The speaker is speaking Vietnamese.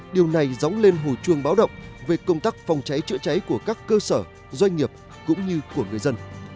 điều này dóng lên hồi chuông báo động về công tác phòng cháy chữa cháy của các cơ sở doanh nghiệp cũng như của người dân